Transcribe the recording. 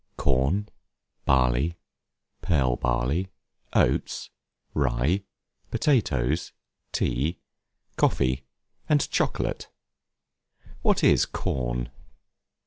CORN, BARLEY, PEARL BARLEY, OATS, RYE, POTATOES, TEA, COFFEE, AND CHOCOLATE. What is Corn?